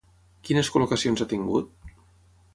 Quines col·locacions ha tingut?